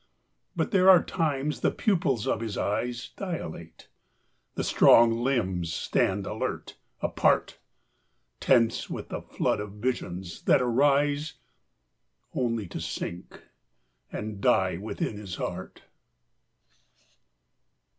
But there are times the pupils of his eyes Dilate, the strong limbs stand alert, apart, Tense with the flood of visions that arise Only to sink and die within his heart.